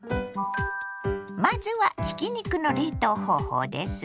まずはひき肉の冷凍方法です。